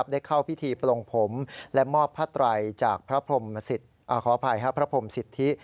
ได้เข้าพิธีปลงผมและมอบผ้าไตรจากพระอภัยพระพรมสิทธิ